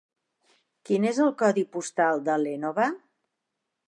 Quin és el codi postal de l'Énova?